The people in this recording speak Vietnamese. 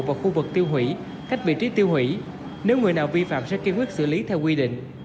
vào khu vực tiêu hủy cách vị trí tiêu hủy nếu người nào vi phạm sẽ kiên quyết xử lý theo quy định